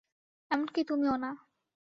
এমনকি তুমিও না।